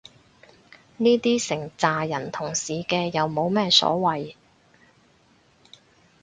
呢啲成咋人同時嘅又冇乜所謂